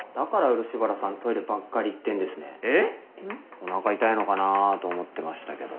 おなか痛いのかなと思ってましたけど。